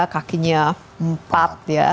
kakinya empat ya